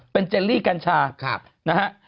เป็นเจลลี่กัญชานะฮะ